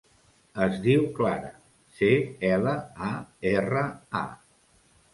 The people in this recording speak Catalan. Es diu Clara: ce, ela, a, erra, a.